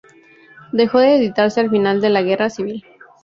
Dejó de editarse al final de la Guerra civil.